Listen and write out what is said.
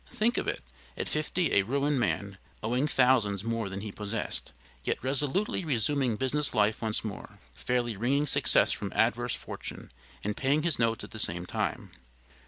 Think of it! at fifty a ruined man, owing thousands more than he possessed, yet resolutely resuming business life once more fairly wringing success from adverse fortune, and paying his notes at the same time.